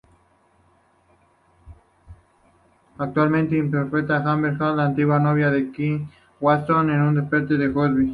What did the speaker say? Actualmente interpreta a Amber James, la antigua novia de Keith Watson, en "Desperate Housewives".